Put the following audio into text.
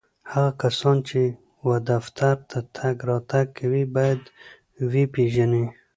هغه کسان چي و دفتر ته تګ راتګ کوي ، باید و یې پېژني